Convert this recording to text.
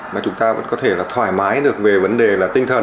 mà chúng ta có thể thoải mái được về vấn đề tinh thần